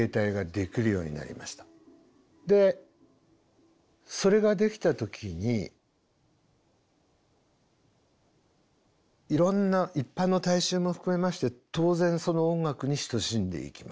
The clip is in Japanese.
でそれができた時にいろんな一般の大衆も含めまして当然その音楽に親しんでいきます。